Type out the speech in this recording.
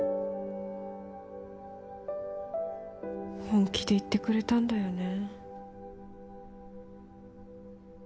本気で言ってくれたんだよね